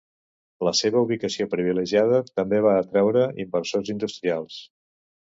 La seva ubicació privilegiada també va atreure inversors industrials.